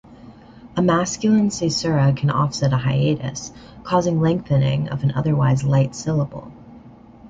A masculine caesura can offset a hiatus, causing lengthening of an otherwise light syllable.